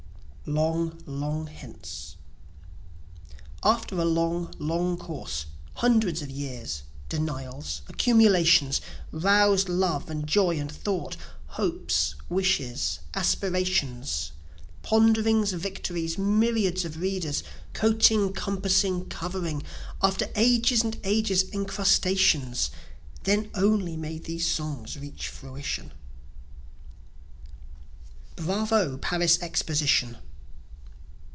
Long, Long Hence After a long, long course, hundreds of years, denials, Accumulations, rous'd love and joy and thought, Hopes, wishes, aspirations, ponderings, victories, myriads of readers, Coating, compassing, covering after ages' and ages' encrustations, Then only may these songs reach fruition. Bravo, Paris Exposition!